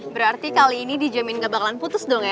berarti kali ini dijamin gak bakalan putus dong ya